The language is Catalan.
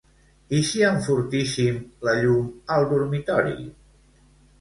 I si enfortíssim la llum al dormitori?